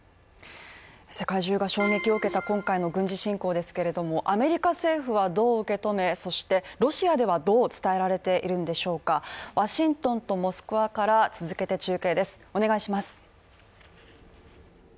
世界中が衝撃を受けた今回の軍事侵攻ですけれども、アメリカ政府はどう受け止めそしてロシアどう伝えられているんでしょうかワシントンとモスクワから続けて中継です。